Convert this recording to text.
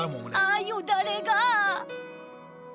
あっよだれが。